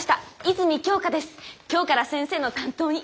今日から先生の担当に。